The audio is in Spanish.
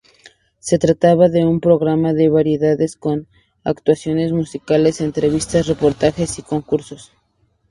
Se trataba de un programa de variedades con actuaciones musicales, entrevistas, reportajes y concursos.